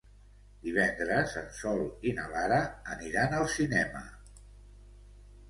Divendres en Sol i na Lara aniran al cinema.